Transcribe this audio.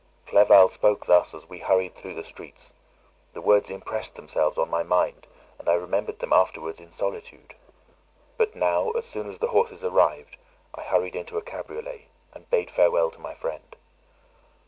Clerval spoke thus as we hurried through the streets; the words impressed themselves on my mind and I remembered them afterwards in solitude. But now, as soon as the horses arrived, I hurried into a cabriolet, and bade farewell to my friend.